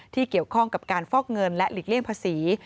ที่เกี่ยวข้องกับการฟอกเงินและหลีกเลี่ยงภาษี